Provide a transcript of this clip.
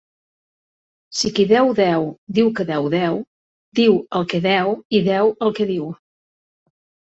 Si qui deu deu diu que deu deu, diu el que deu i deu el que diu.